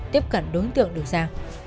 tiếp cận đối tượng được ra